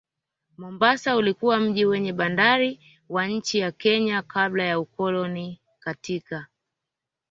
Mombasa ulikuwa mji wenye bandari wa nchi ya Kenya kabla ya ukoloni katika